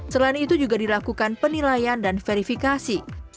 selain itu juga dilakukan penilaian dan verifikasi